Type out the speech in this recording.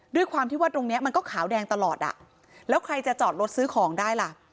ด้วยความที่ว่าตรงเนี้ยมันก็ขาวแดงตลอดอ่ะแล้วใครจะจอดรถซื้อของได้ล่ะ